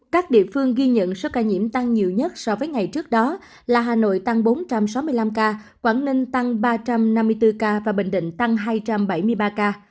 các địa phương ghi nhận số ca nhiễm tăng nhiều nhất so với ngày trước đó là hà nội tăng bốn trăm sáu mươi năm ca quảng ninh tăng ba trăm năm mươi bốn ca và bình định tăng hai trăm bảy mươi ba ca